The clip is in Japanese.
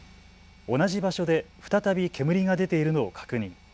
同じ場所で再び煙が出ているのを確認。